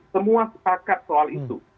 semua sepakat soal itu